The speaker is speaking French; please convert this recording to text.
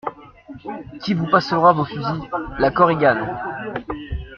Qui vous passera vos fusils ? LA KORIGANE.